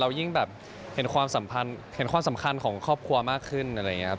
ยิ่งแบบเห็นความสัมพันธ์เห็นความสำคัญของครอบครัวมากขึ้นอะไรอย่างนี้ครับ